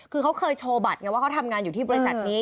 คือเขาเคยโชว์บัตรไงว่าเขาทำงานอยู่ที่บริษัทนี้